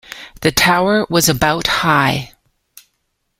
The tower was about high.